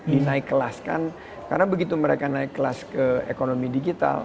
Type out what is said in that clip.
dinaik kelaskan karena begitu mereka naik kelas ke ekonomi digital